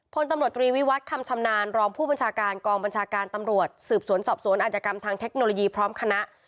พลตำรวจตรีวิวัตรคำชำนาญรองผู้บัญชาการกองบัญชาการตำรวจสืบสวนสอบสวนอาจกรรมทางเทคโนโลยีพร้อมคณะ